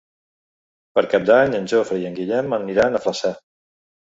Per Cap d'Any en Jofre i en Guillem aniran a Flaçà.